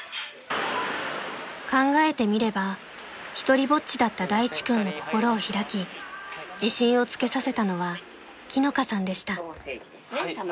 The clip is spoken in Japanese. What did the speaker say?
［考えてみれば独りぼっちだった大地君の心を開き自信をつけさせたのは樹乃香さんでした］